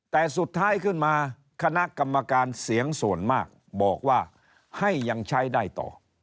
แต่สุดท้ายขึ้นมาคณะกรรมการเสียงส่วนมากบอกว่าให้ยังใช้ได้ต่อ